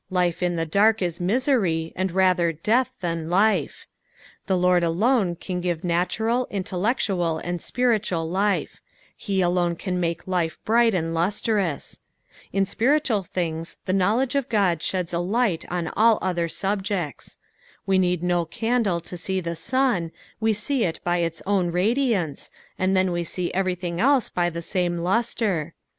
Life in the durk is miserv, and rsther death than life. The Lord &lone can give natural, intellectual, and spiritual life ; he alone can make 178 EXPOSITIONS OS THE PSALUB. life bright and luatroue. In spirituBl things the koowledgcf of God cheds a light on &1I other subjects. Wu need no candle to see the bua, we ste it by ita own radiance, and then see uvcrjlhioR else by the saine lustre.